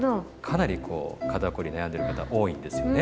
かなりこう肩こりに悩んでる方多いんですよね。